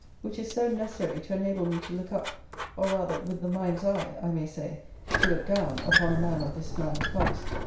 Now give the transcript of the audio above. ] which is so necessary to enable me to look up, or rather with the mind's eye, I may say, to look down upon a man of this man's cast.